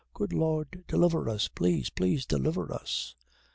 Good Lord deliver us please please deliver us....